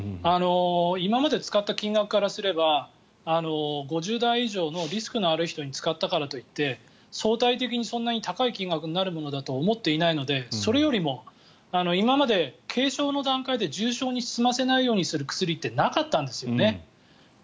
今まで使った金額からすれば５０代以上のリスクのある人に使ったからといって相対的にそんなに高い金額になるものだとは思っていないのでそれよりも今まで軽症の段階で重症にならないで済ませる薬ってなかったんですよね。